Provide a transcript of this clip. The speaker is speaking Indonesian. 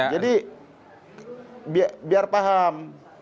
jadi biar paham